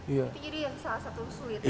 itu jadi yang salah satu kesulitan